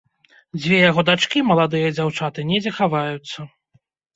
Дзве яго дачкі, маладыя дзяўчаты, недзе хаваюцца.